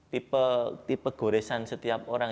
tipe goresan setiap orang